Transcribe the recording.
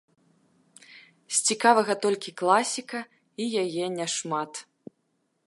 З цікавага толькі класіка, і яе няшмат.